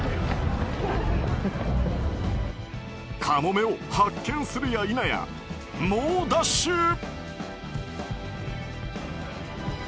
カモメを発見するや否や猛ダッシュ。